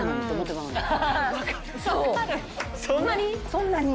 そんなに？